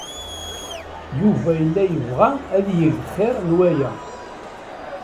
Yuba yella yebɣa ad yeg xir n waya.